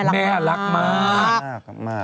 แม่รักมาก